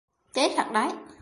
Chết thật đấy